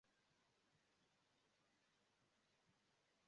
Ĝi estas nekomuna vaganto en printempo kaj ĉefe aŭtune en la Brita Insularo.